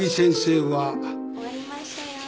終わりましたよ